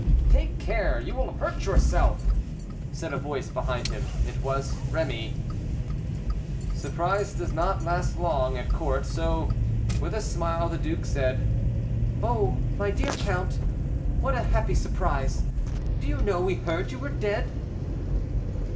"Take care, you will hurt yourself," said a voice behind him. It was Rémy. Surprise does not last long at court, so, with a smile, the duke said, "Oh, my dear count, what a happy surprise! Do you know we heard you were dead?"